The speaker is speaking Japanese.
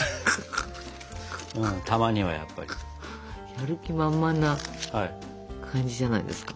やる気満々な感じじゃないですか？